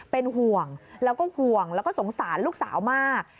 เป็นห่วงแล้วก็ห่วงแล้วก็สงสารลูกสาวมาก